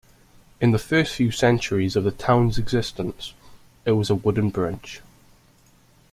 In the first few centuries of the town's existence, it was a wooden bridge.